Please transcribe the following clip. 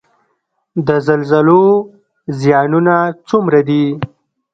د زلزلو زیانونه څومره دي؟